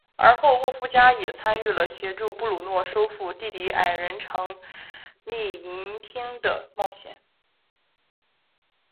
而后沃夫加也参与了协助布鲁诺收复地底矮人城秘银厅的冒险。